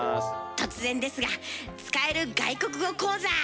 突然ですが使える外国語講座！